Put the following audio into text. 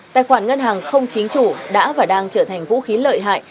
tài khoản ngân hàng không chính chủ đã và đang trở thành vũ khí lợi hại